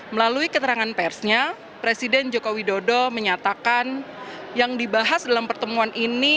melalui keterangan persnya presiden joko widodo menyatakan yang dibahas dalam pertemuan ini